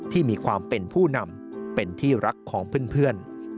ที่มีความเป็นผู้นำเป็นที่รักของเพื่อน